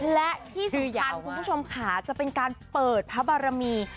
และที่สำคัญคุณผู้ชมค่ะจะเป็นการเปิดพระบารมี